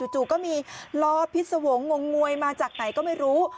จู่ก็มีล้อพิษวงศ์งงงวยมาจากไหนก็ไม่รู้